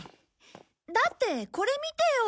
だってこれ見てよ。